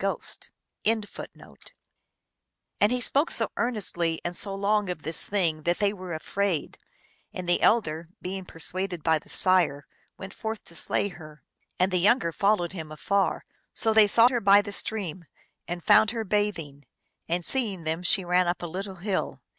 of the Oonahganicss 1 and of the Krftaliks" And he spoke so earnestly and so long of this thing that they were afraid, and the elder, being persuaded by the sire, went forth to slay her, and the younger followed him afar. So they sought her by the stream, and found her bathing, and, seeing them, she ran up a lit tle hill.